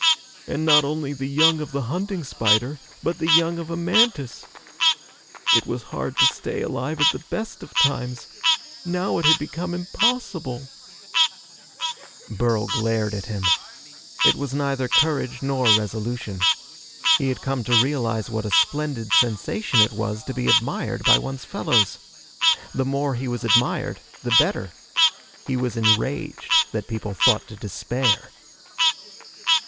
And not only the young of the hunting spider, but the young of a mantis ... It was hard to stay alive at the best of times. Now it had become impossible ..." Burl glared at him. It was neither courage nor resolution. He had come to realize what a splendid sensation it was to be admired by one's fellows. The more he was admired, the better. He was enraged that people thought to despair.